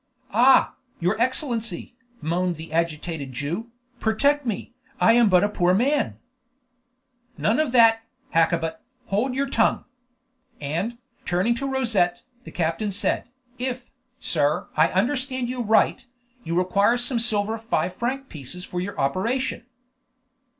"Ah! your Excellency," moaned the agitated Jew, "protect me! I am but a poor man " "None of that, Hakkabut. Hold your tongue." And, turning to Rosette, the captain said, "If, sir, I understand right, you require some silver five franc pieces for your operation?"